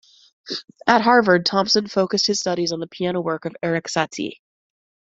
At Harvard, Thomson focused his studies on the piano work of Erik Satie.